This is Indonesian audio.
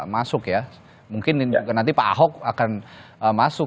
masuk ya mungkin juga nanti pak ahok akan masuk